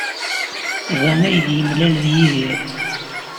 Da ay d-yemlal ed Yidir.